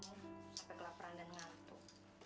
sampai kelaparan dan ngantuk